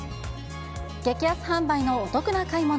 激安販売のお得な買い物。